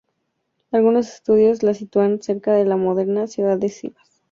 Algunos estudios la sitúan cerca de la moderna ciudad de Sivas.